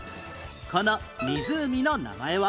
この湖の名前は？